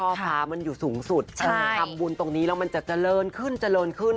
ฟ้ามันอยู่สูงสุดทำบุญตรงนี้แล้วมันจะเจริญขึ้นเจริญขึ้น